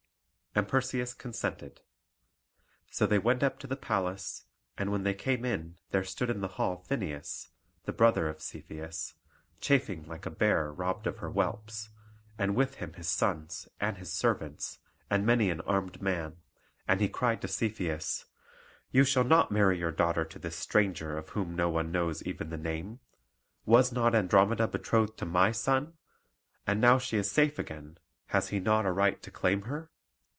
And Perseus consented. So they went up to the palace; and when they came in, there stood in the hall Phineus, the brother of Cepheus, chafing like a bear robbed of her whelps, and with him his sons, and his servants, and many an armed man, and he cried to Cepheus: "You shall not marry your daughter to this stranger of whom no one knows even the name. Was not Andromeda betrothed to my son? And now she is safe again, has he not a right to claim her?"